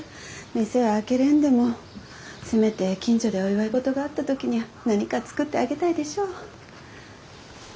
店は開けれんでもせめて近所でお祝い事があった時には何か作ってあげたいでしょう。